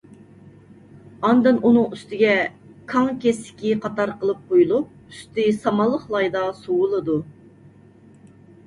ئاندىن ئۇنىڭ ئۈستىگە كاڭ كېسىكى قاتار قىلىپ قويۇلۇپ، ئۈستى سامانلىق لايدا سۇۋىلىدۇ.